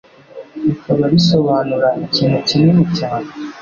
rikaba risobanura “ikintu kinini cyane”.